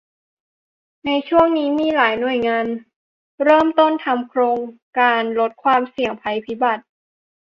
ในช่วงนี้มีหลายหน่วยงานเริ่มต้นทำโครงการลดความเสี่ยงภัยพิบัติ